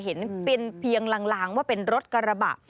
เห็นฟินเพียงลางว่าเป็นรถกระบะ